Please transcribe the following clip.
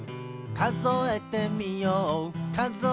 「かぞえてみよう」